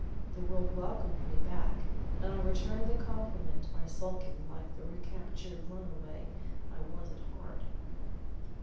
The world welcomed me back, and I returned the compliment by sulking like the recaptured runaway I was at heart.